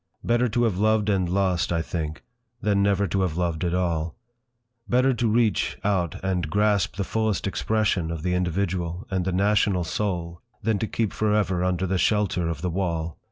Better to have loved and lost, I think, than never to have loved at all; better to reach out and grasp the fullest expression of the individual and the national soul, than to keep for ever under the shelter of the wall.